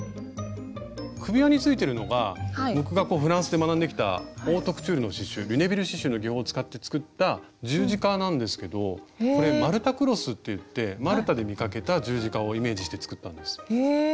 首輪についてるのが僕がフランスで学んできたオートクチュールの刺しゅうリュネビル刺しゅうの技法を使って作った十字架なんですけどこれマルタクロスっていってマルタで見かけた十字架をイメージして作ったんです。